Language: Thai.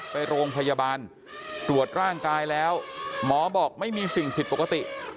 ไปโรงพยาบาลตรวจร่างกายแล้วหมอบอกไม่มีสิ่งผิดปกติ